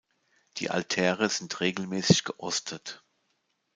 Die Altäre sind regelmäßig geostet.